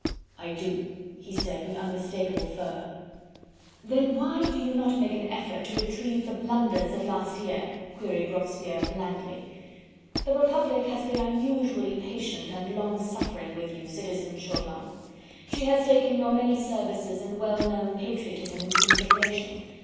"I do!" he said with unmistakable fervour. "Then why do you not make an effort to retrieve the blunders of last year?" queried Robespierre blandly. "The Republic has been unusually patient and long suffering with you, Citizen Chauvelin. She has taken your many services and well known patriotism into consideration.